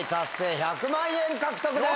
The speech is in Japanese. １００万円獲得です！